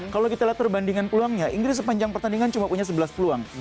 kalau kita lihat perbandingan peluangnya inggris sepanjang pertandingan cuma punya sebelas peluang